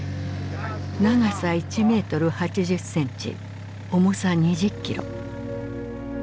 長さ１メートル８０センチ重さ２０キロ。